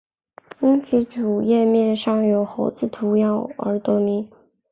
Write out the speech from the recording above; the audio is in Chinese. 因其主界面上有个猴子图样而得名。